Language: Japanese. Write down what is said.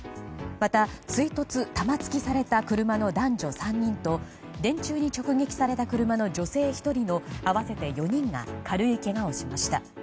また、追突・玉突きされた車の男女３人と電柱に直撃された車の女性１人の合わせて４人が軽いけがをしました。